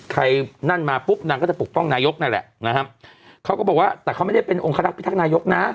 นั่นมาปุ๊บนางก็จะปกป้องนายกนั่นแหละนะครับเขาก็บอกว่าแต่เขาไม่ได้เป็นองคลักษิทักนายกนะ